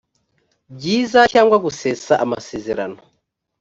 byiza cyangwa gusesa amasezerano